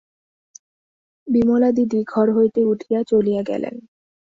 বিমলাদিদি ঘর হইতে উঠিয়া চলিয়া গেলেন।